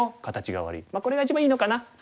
まあこれが一番いいのかな。